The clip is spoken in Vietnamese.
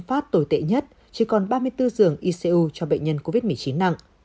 phát tồi tệ nhất chỉ còn ba mươi bốn giường icu cho bệnh nhân covid một mươi chín nặng